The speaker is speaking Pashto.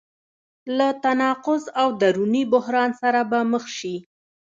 له تناقض او دروني بحران سره به مخ شي.